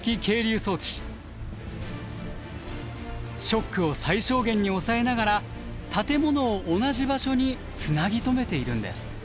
ショックを最小限に抑えながら建物を同じ場所につなぎ止めているんです。